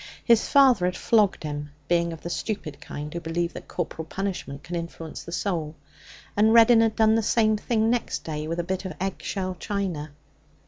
His father had flogged him, being of the stupid kind who believe that corporal punishment can influence the soul. And Reddin had done the same thing next day with a bit of egg shell china.